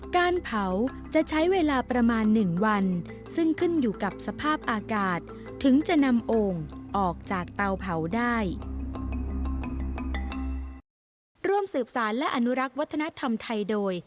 การเผาจะใช้เวลาประมาณ๑วันซึ่งขึ้นอยู่กับสภาพอากาศถึงจะนำโอ่งออกจากเตาเผาได้